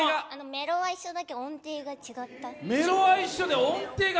メロは一緒だけど音程が違った。